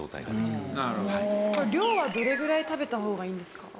量はどれぐらい食べた方がいいんですか？